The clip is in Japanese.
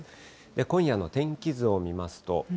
今夜の天気図を見ますと。